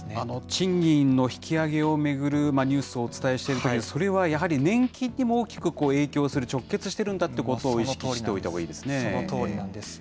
賃金の引き上げを巡るニュースをお伝えしているとき、それはやはり年金にも大きく影響する、直結しているんだということを意そのとおりなんです。